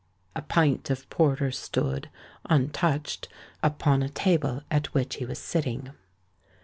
A pint of porter stood, untouched, upon a table at which he was sitting.